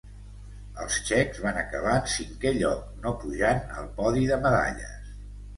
Els txecs van acabar en cinquè lloc, no pujant al podi de medalles.